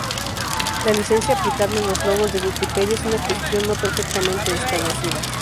La licencia aplicable a los logos de Wikipedia es una cuestión no perfectamente establecida.